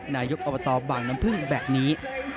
นายกอบตบางน้ำพึ่งแบบนี้